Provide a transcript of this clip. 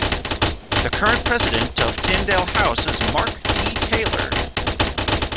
The current president of Tyndale House is Mark D. Taylor.